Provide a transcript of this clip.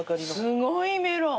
すごいメロン！